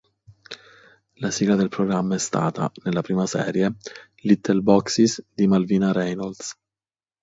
La sigla del programma è stata, nelle prime serie, "Little Boxes" di Malvina Reynolds.